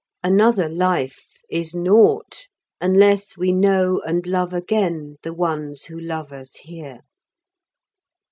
Another life is naught, unless we know and love again the ones who love us here.